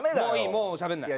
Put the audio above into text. もうしゃべんない。